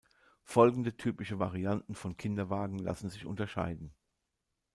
Folgende typische Varianten von Kinderwagen lassen sich unterscheiden.